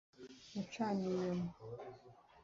gucana inyuma: